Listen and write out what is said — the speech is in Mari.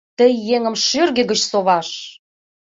Тый еҥым шӱргӧ гыч соваш!..